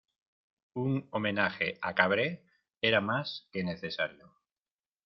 Un homenaje a Cabré era más que necesario.